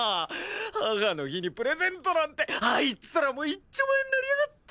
母の日にプレゼントなんてあいつらも一丁前になりやがって。